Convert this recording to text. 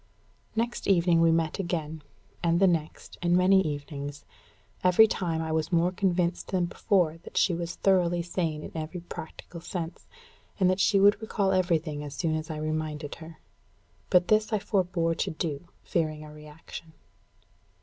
Next evening we met again, and the next, and many evenings. Every time I was more convinced than before that she was thoroughly sane in every practical sense, and that she would recall everything as soon as I reminded her. But this I forbore to do, fearing a reaction.